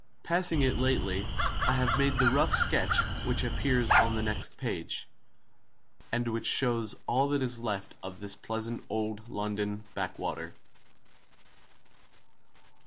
Passing it lately, I made the rough sketch which appears on next page, and which shows all that is left of this pleasant old London backwater.